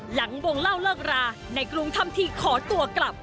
หลังวงเล่าเลิกราในกรุงทำทีขอตัวกลับ